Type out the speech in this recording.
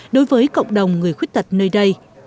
đối với cộng đồng người khuyết tật nơi đây